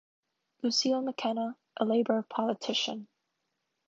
Lucille McKenna, a Labor politician.